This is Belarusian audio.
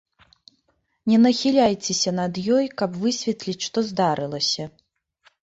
Не нахіляйцеся над ёй, каб высветліць, што здарылася.